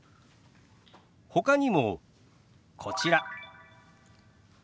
ほかにもこちら。